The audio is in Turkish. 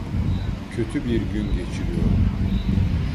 Kötü bir gün geçiriyorum.